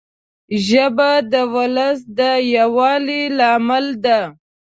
ژبه د ولس د یووالي لامل ده